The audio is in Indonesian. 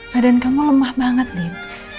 badan kamu lemah banget dim